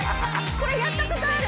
これやったことある！